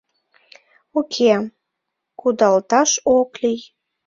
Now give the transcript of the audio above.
Уке, кудалташ ок лий.